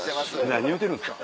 何言うてるんですか。